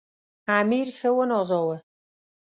امیر ښه ونازاوه.